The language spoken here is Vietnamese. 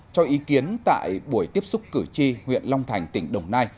cho ý kiến tại buổi tiếp xúc cử tri huyện long thành tỉnh đồng nai